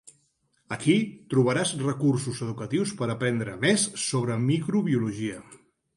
Aquí trobaràs recursos educatius per aprendre més sobre microbiologia.